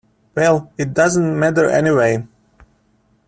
Well, it doesn't matter, anyway.